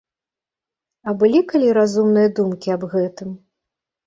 А былі калі разумныя думкі аб гэтым?!.